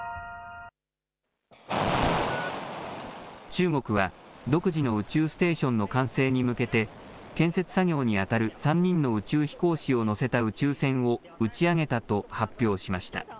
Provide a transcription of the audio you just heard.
中国は、独自の宇宙ステーションの完成に向けて、建設作業に当たる３人の宇宙飛行士を乗せた宇宙船を打ち上げたと発表しました。